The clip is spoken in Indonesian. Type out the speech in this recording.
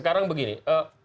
kalau hukumnya tidak ada